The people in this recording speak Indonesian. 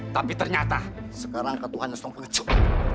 tapi ternyata sekarang ketua harus nongkut